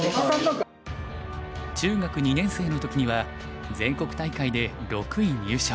中学２年生の時には全国大会で６位入賞。